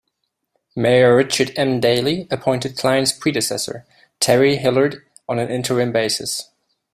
Mayor Richard M. Daley appointed Cline's predecessor, Terry Hillard, on an interim basis.